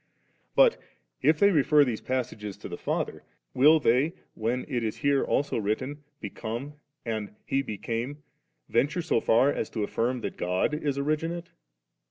But if they refer these passages to the Father, will they, when it is here also writtoi, * Become ' and * He became,' venture so far as to affirm that God is originate